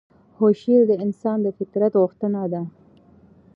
خو شعر د انسان د فطرت غوښتنه ده.